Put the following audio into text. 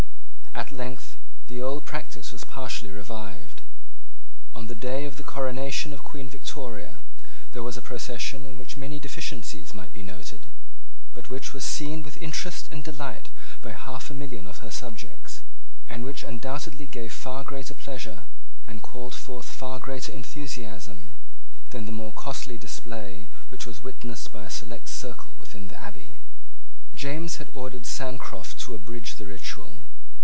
At length the old practice was partially revived. On the day of the coronation of Queen Victoria there was a procession in which many deficiencies might be noted, but which was seen with interest and delight by half a million of her subjects, and which undoubtedly gave far greater pleasure, and called forth far greater enthusiasm, than the more costly display which was witnessed by a select circle within the Abbey. James had ordered Sancroft to abridge the ritual.